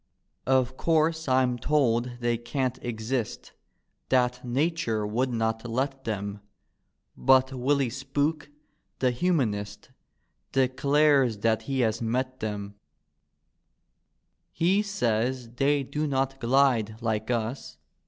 Of course I'm told they can't exist. That Nature would not let them: But Willy Spook, the Humanist, Declares diat he has met tbeml He says they do not glide like us.